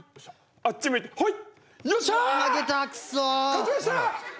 あっち向いてホイ。